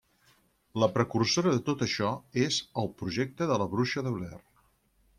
La precursora de tot això és 'El projecte de la bruixa de Blair'.